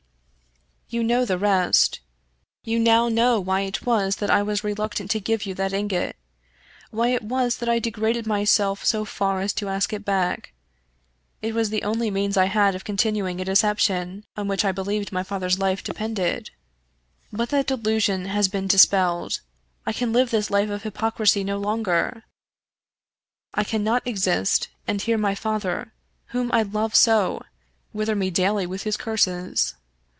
" You know the rest. You now know why it was that I was reluctant to give you that ingot — why it was that I degraded myself so far as to ask it back. It was the only means I had of continuing a deception on which I believed my father's life depended. But that delusion has been dis pelled. I can live this life of hypocrisy no longer. I can 21 Irish Mystery Stories not exist and hear my father, whom I love so, wither me daily with his curses.